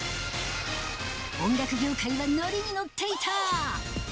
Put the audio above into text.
音楽業界はノリにノッていた。